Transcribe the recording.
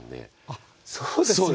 あそうですよね。